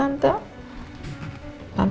tante mikir kalau mbak bella sama randy